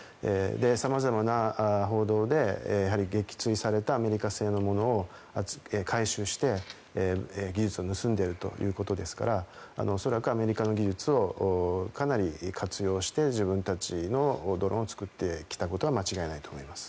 様々な報道で、やはり撃墜されたアメリカ製のものを回収して技術を盗んでいるということですから恐らくアメリカの技術をかなり活用して自分たちのドローンを作ってきたことは間違いないと思います。